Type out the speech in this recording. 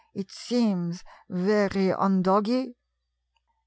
" It seems very undoggy."